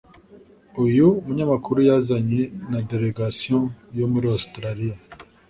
uyu munyamakuru yazanye na delegation yo muri australia